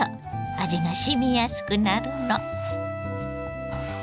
味がしみやすくなるの。